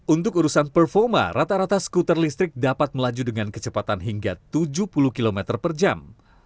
untuk urusan performa rata rata skuter listrik dapat melaju dengan kecepatan hingga tujuh puluh km per jam